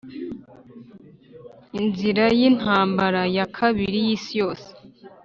inzira y'intambara ya kabiri y'isi yose: